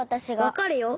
わかるよ。